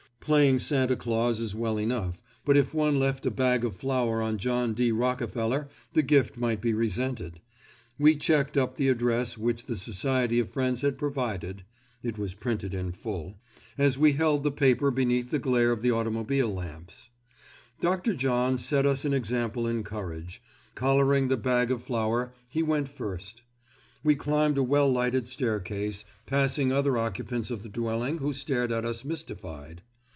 Playing Santa Claus is well enough, but if one left a bag of flour on John D. Rockefeller, the gift might be resented. We checked up the address which the Society of Friends had provided (it was printed in full) as we held the paper beneath the glare of the automobile lamps. Dr. John set us an example in courage; collaring the bag of flour, he went first. We climbed a well lighted staircase, passing other occupants of the dwelling who stared at us mystified.